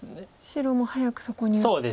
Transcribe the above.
白も早くそこに打ってと。